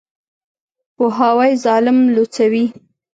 پوهاوی ظالم لوڅوي.